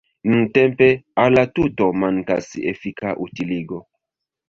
Nuntempe al la tuto mankas efika utiligo.